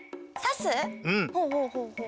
ほうほうほうほう。